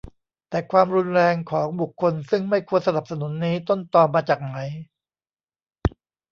แต่ความรุนแรงของบุคคลซึ่งไม่ควรสนับสนุนนี้ ต้นตอมาจากไหน